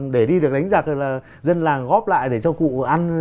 để đi được đánh giặc là dân làng góp lại để cho cụ ăn